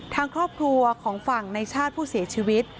ทางครอบครัวของฝั่งในชาติผู้เสียชีวิต